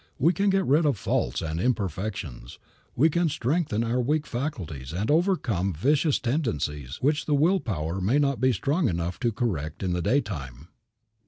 We can get rid of faults and imperfections; we can strengthen our weak faculties and overcome vicious tendencies which the will power may not be strong enough to correct in the daytime.